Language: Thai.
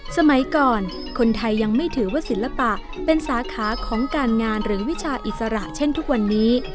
สมัยก่อนคนไทยยังไม่ถือว่าศิลปะเป็นสาขาของการงานหรือวิชาอิสระเช่นทุกวันนี้